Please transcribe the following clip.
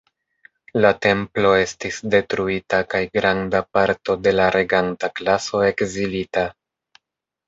La templo estis detruita kaj granda parto de la reganta klaso ekzilita.